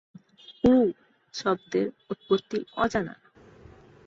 Crew শব্দের উৎপত্তি অজানা।